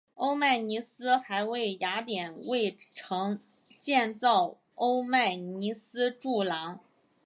欧迈尼斯还为雅典卫城建造欧迈尼斯柱廊。